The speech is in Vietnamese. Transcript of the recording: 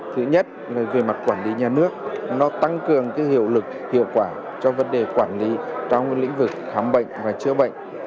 thứ nhất là về mặt quản lý nhà nước nó tăng cường hiệu lực hiệu quả cho vấn đề quản lý trong lĩnh vực khám bệnh và chữa bệnh